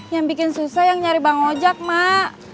yang bikin susah yang nyari bang ojek mak